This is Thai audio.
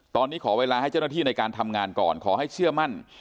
ตอนนี้ขอเวลาให้เจ้าหน้าที่ในการทำงานก่อนขอให้เชื่อมั่น